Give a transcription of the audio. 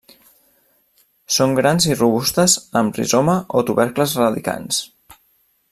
Són grans i robustes amb rizoma o tubercles radicants.